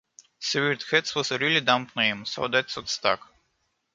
Severed Heads was a really dumb name, so that's what stuck.